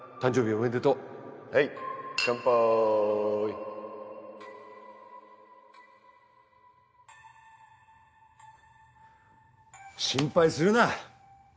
おめでとうはいカンパイ心配するな。